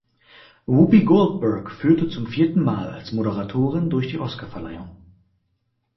Whoopi Goldberg führte zum vierten Mal als Moderatorin durch die Oscarverleihung.